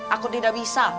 aku tidak bisa